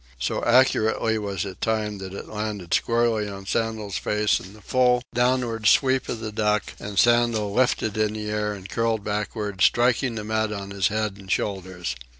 So accurately was it timed that it landed squarely on Sandel's face in the full, downward sweep of the duck, and Sandel lifted in the air and curled backward, striking the mat on his head and shoulders.